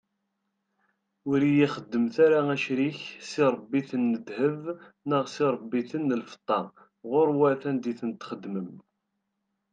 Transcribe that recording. Ur iyi-xeddmet ara acrik s iṛebbiten n ddheb, neɣ s iṛebbiten n lfeṭṭa, ɣur-wat anda i ten-txeddmem.